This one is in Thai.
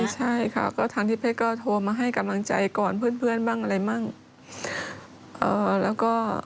ใช่ค่ะก็ทางที่เพชรก็โทรมาให้กำลังใจก่อนเพื่อนเพื่อนบ้างอะไรบ้าง